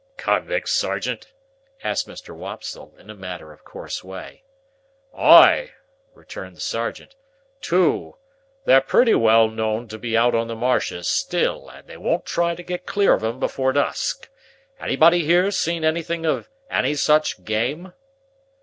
"Convicts, sergeant?" asked Mr. Wopsle, in a matter of course way. "Ay!" returned the sergeant, "two. They're pretty well known to be out on the marshes still, and they won't try to get clear of 'em before dusk. Anybody here seen anything of any such game?"